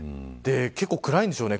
結構暗いんでしょうね。